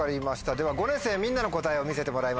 では５年生みんなの答えを見せてもらいましょう。